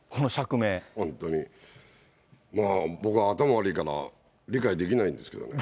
本当に、僕は頭が悪いから、理解できないんですけどね。